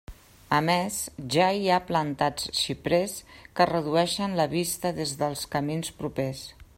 A més, ja hi ha plantats xiprers que redueixen la vista des dels camins propers.